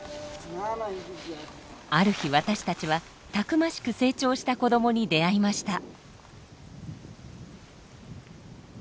ある日私たちはたくましく成長した子どもに出会いました。